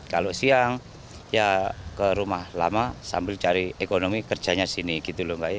kalau siang ya ke rumah lama sambil cari ekonomi kerjanya sini gitu loh